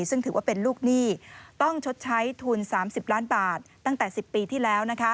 ซึ่งถือว่าเป็นลูกหนี้ต้องชดใช้ทุน๓๐ล้านบาทตั้งแต่๑๐ปีที่แล้ว